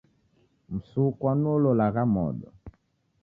Msukwa nuo ulolagha modo.